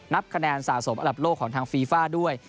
คะแนนสะสมอันดับโลกของทางฟีฟ่าด้วย